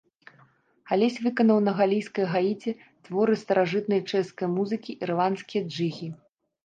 Алесь выканаў на галісійскай гаіце творы старажытнай чэшскай музыкі, ірландскія джыгі.